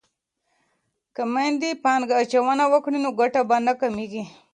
که میندې پانګه اچونه وکړي نو ګټه به نه کمیږي.